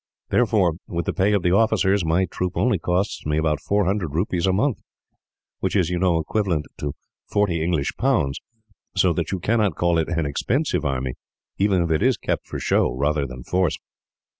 Therefore, with the pay of the officers, my troop only costs me about four hundred rupees a month, which is, you know, equivalent to forty English pounds; so that you cannot call it an expensive army, even if it is kept for show rather than use."